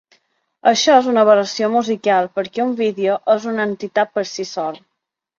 Això és una aberració musical, perquè un vídeo és una entitat per si sol.